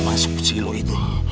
memang susi lo itu